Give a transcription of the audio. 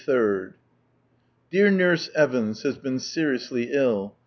— Dear Nurse Evans has been seriously ill.